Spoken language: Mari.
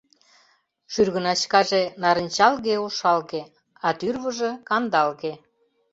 Шӱргыначкаже нарынчалге-ошалге, а тӱрвыжӧ кандалге.